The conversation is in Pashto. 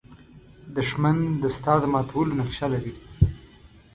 دښمن د ستا د ماتولو نقشه لري